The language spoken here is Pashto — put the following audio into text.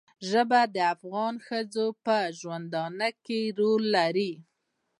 ژبې د افغان ښځو په ژوند کې رول لري.